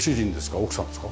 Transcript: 奥さんですか？